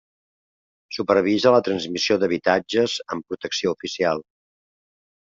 Supervisa la transmissió d'habitatges amb protecció oficial.